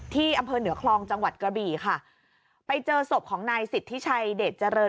ที่อำเภอเหนือคลองจังหวัดกระบี่ค่ะไปเจอศพของนายสิทธิชัยเดชเจริญ